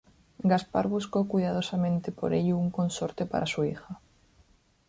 Gaspar buscó cuidadosamente por ello un consorte para su hija.